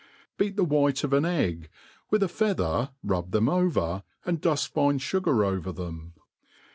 Beat the white of an egg, with a feather rub them over, and duft fine fugar over them.